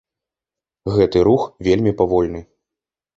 Гэты рух вельмі павольны.